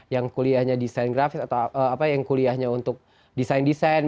yang kuliahnya desain grafis atau apa yang kuliahnya untuk desain desain